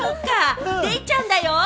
デイちゃんだよ！